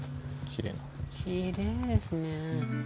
きれいですね。